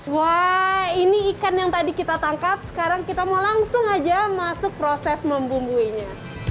wah ini ikan yang tadi kita tangkap sekarang kita mau langsung aja masuk proses membumbuinya